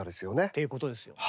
ということですよね。